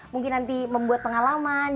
mungkin nanti membuat pengalaman